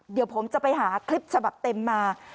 เดี๋ยวผมจะไปหาคลิปฉบับเต็มมา